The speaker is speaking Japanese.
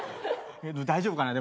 大丈夫かな？